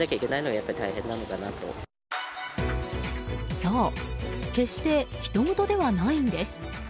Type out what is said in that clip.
そう決してひとごとではないんです。